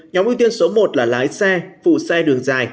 nhóm ưu tiên số một là lái xe phụ xe đường dài